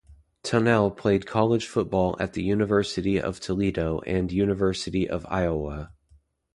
Tunnell played college football at the University of Toledo and University of Iowa.